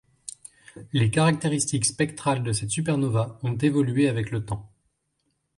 Les caractéristiques spectrales de cette supernova ont évolué avec le temps.